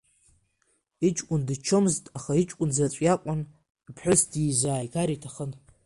Иҷкәын дыччомызт, аха иҷкәын заҵә иакәын, ԥҳәыс дизааигар иҭахын.